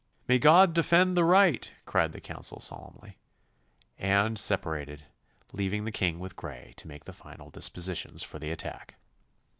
'May God defend the right! cried the council solemnly, and separated, leaving the King with Grey to make the final dispositions for the attack.